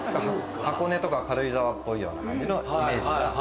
箱根とか軽井沢っぽいような感じのイメージが。